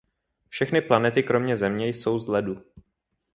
Všechny planety kromě Země jsou z ledu.